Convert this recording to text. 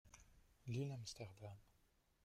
L’île Amsterdam